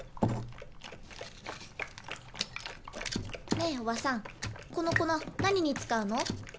ねえおばさんこの粉何に使うの？